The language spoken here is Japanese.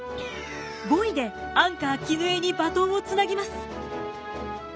５位でアンカー絹枝にバトンをつなぎます。